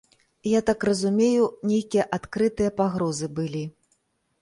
Я так разумею, нейкія адкрытыя пагрозы былі.